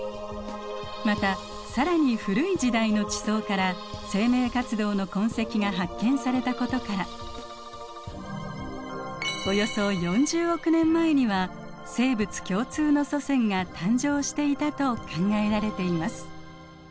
また更に古い時代の地層から生命活動の痕跡が発見されたことからおよそ４０億年前には生物共通の祖先が誕生していたと考えられています。